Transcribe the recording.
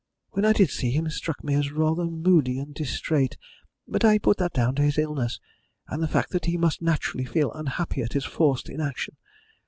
When I did see him he struck me as rather moody and distrait, but I put that down to his illness, and the fact that he must naturally feel unhappy at his forced inaction.